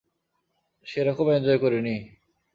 সেরকম এঞ্জয় করিনি।